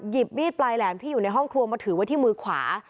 มีดปลายแหลมที่อยู่ในห้องครัวมาถือไว้ที่มือขวา